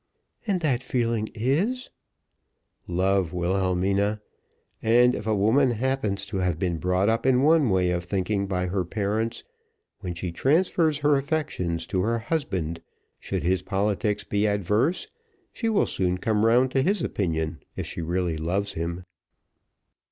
"And that feeling is" "Love, Wilhelmina; and if a woman happens to have been brought up in one way of thinking by her parents, when she transfers her affections to her husband, should his politics be adverse, she will soon come round to his opinion, if she really loves him."